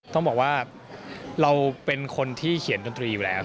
ต้องบอกว่าเราเป็นคนที่เขียนดนตรีอยู่แล้ว